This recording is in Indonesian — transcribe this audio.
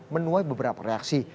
menuai beberapa reaksi